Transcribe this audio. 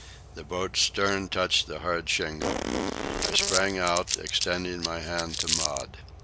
The boat's stern touched the hard shingle. I sprang out, extending my hand to Maud.